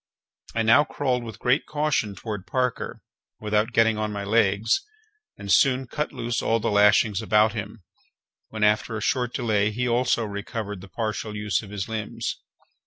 I now crawled with great caution toward Parker, without getting on my legs, and soon cut loose all the lashings about him, when, after a short delay, he also recovered the partial use of his limbs.